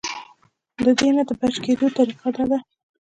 د دې نه د بچ کېدو طريقه دا ده -